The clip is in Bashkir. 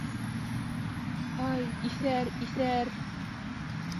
— Һай, иҫәр, иҫәр!